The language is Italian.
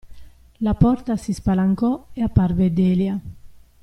La porta si spalancò e apparve Delia.